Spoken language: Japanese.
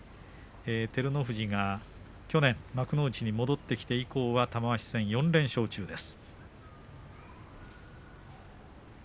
照ノ富士が幕内に戻ってきてからは玉鷲戦、４連勝中です。